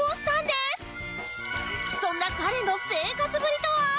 そんな彼の生活ぶりとは？